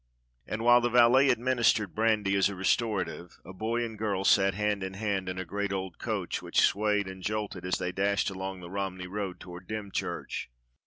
And while the valet administered brandy as a restor ative, a boy and a girl sat hand in hand in a great old coach which swayed and jolted as they dashed along the Romney Road toward Dymchurch.